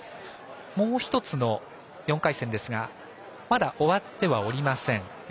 もう１つの４回戦ですがまだ終わってはおりません。